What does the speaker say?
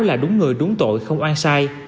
là đúng người đúng tội không oan sai